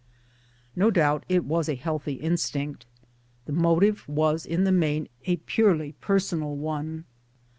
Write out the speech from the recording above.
No doubt it was a healthy instinct. The motive was in the main a purely personal one.